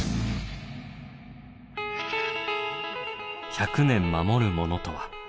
１００年守るものとは？